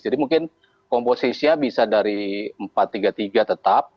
jadi mungkin komposisinya bisa dari empat tiga tiga tetap